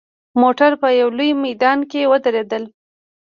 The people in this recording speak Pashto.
موټر په یوه لوی میدان کې ودرېدل.